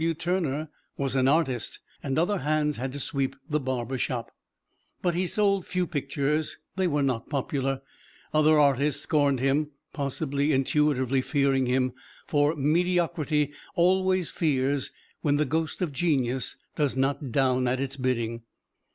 W. Turner was an artist, and other hands had to sweep the barber shop. But he sold few pictures they were not popular. Other artists scorned him, possibly intuitively fearing him, for mediocrity always fears when the ghost of genius does not down at its bidding.